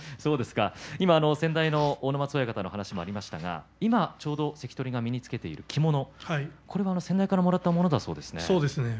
先代の阿武松親方の話がありましたが関取が身につけている着物これも先代からもらったものだそうですね。